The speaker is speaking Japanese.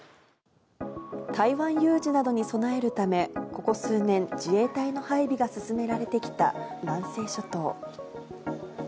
台湾有事などに備えるため、ここ数年、自衛隊の配備が進められてきた南西諸島。